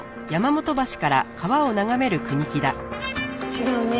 違うね。